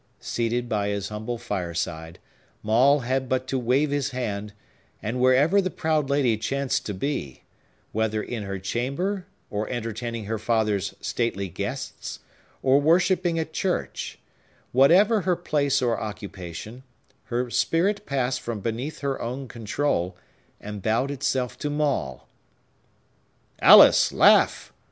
Seated by his humble fireside, Maule had but to wave his hand; and, wherever the proud lady chanced to be,—whether in her chamber, or entertaining her father's stately guests, or worshipping at church,—whatever her place or occupation, her spirit passed from beneath her own control, and bowed itself to Maule. "Alice, laugh!"